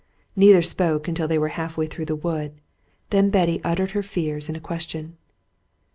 Neither spoke until they were half way through the wood; then Betty uttered her fears in a question.